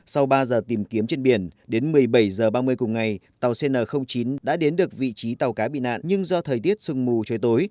sau ba giờ tìm kiếm trên biển đến một mươi bảy h ba mươi cùng ngày tàu cn chín đã đến được vị trí tàu cá bị nạn nhưng do thời tiết sương mù trời tối